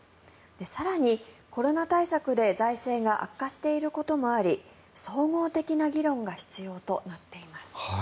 更に、コロナ対策で財政が悪化していることもあり総合的な議論が必要となっています。